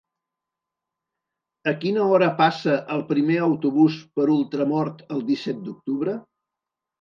A quina hora passa el primer autobús per Ultramort el disset d'octubre?